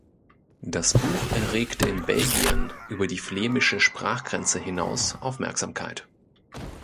Das Buch erregte in Belgien über die flämische Sprachgrenze hinaus Aufmerksamkeit.